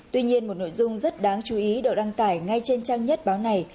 tuy nhiên một nội dung rất đáng chú ý được đăng tải ngay trên trang nhất báo này